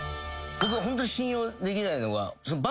僕ホント信用できないのが。